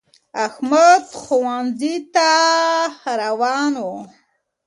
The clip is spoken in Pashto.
احمد ښونځی تا روان وو